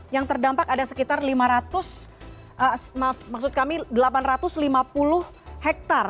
yang terdampak ada sekitar delapan ratus lima puluh hektare